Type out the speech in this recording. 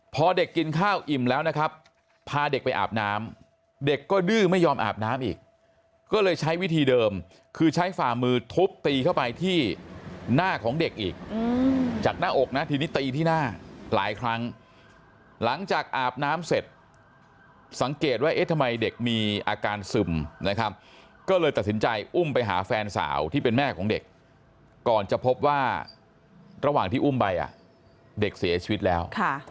พอเด็กกินข้าวอิ่มแล้วนะครับพาเด็กไปอาบน้ำเด็กก็ดื้อไม่ยอมอาบน้ำอีกก็เลยใช้วิธีเดิมคือใช้ฝ่ามือทุบตีเข้าไปที่หน้าของเด็กอีกจากหน้าอกนะทีนี้ตีที่หน้าหลายครั้งหลังจากอาบน้ำเสร็จสังเกตว่าเอ๊ะทำไมเด็กมีอาการซึมนะครับก็เลยตัดสินใจอุ้มไปหาแฟนสาวที่เป็นแม่ของเด็กก่อนจะพบว่าระหว่างที่อุ้มไปเด็กเสียชีวิตแล้ว